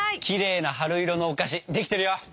きれいな春色のお菓子できてるよ！